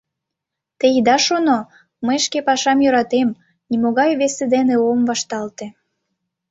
Те ида шоно, мый шке пашам йӧратем, нимогай весе дене ом вашталте.